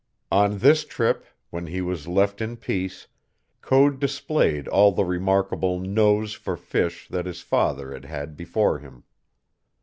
On this trip, when he was left in peace, Code displayed all the remarkable "nose" for fish that his father had had before him.